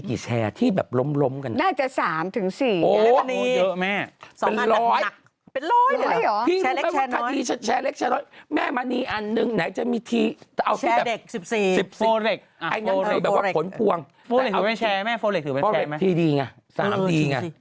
ขสารโน้ทแม่มณีอันหนึ่งไหนจะมีที